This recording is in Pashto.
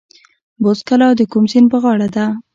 بست کلا د کوم سیند په غاړه ده؟